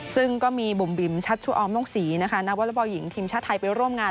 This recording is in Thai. ซึ่งก็มีบุ่มบิ้มชัดชุออมม่งสีนวลบหญิงทีมชาติไทยไปร่วมงาน